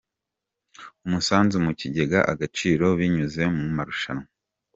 Umusanzu mu kigega Agaciro binyuze mu marushanwa